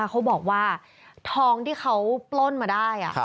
เขาบอกว่าทองที่เขาปล้นมาได้